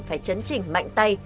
phải chấn chỉnh mạnh tay